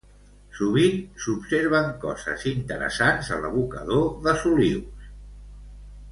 Sovint s'observen coses interessants a l'abocador de Solius.